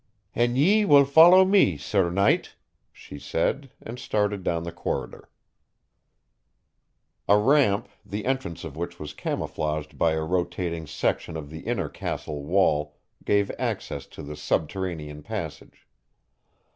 "An ye will follow me, sir knight," she said, and started down the corridor. A ramp, the entrance of which was camouflaged by a rotating section of the inner castle wall, gave access to the subterranean passage.